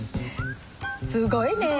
すごいねえ。